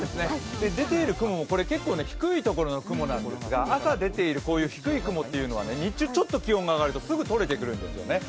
出ている雲も結構低いところの雲なんですが、朝出ているこういう低い雲は、日中気温が上がるとすぐ取れてくるんですよね。